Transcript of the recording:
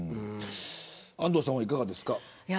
安藤さんはいかがですか。